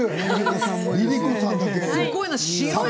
ＬｉＬｉＣｏさんもいる！